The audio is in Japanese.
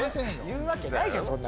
言うわけないじゃん